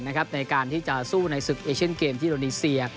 ในการที่จะสู้ในศึกเอเชียนเกมที่โดนีเซีย